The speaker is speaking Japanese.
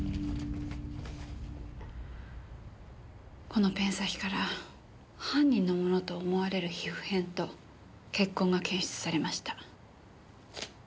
このペン先から犯人のものと思われる皮膚片と血痕が検出されました。